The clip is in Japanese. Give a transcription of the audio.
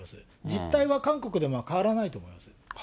実態は韓国でも変わらないと思います。